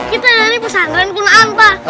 kita dari pesantren kunaan pak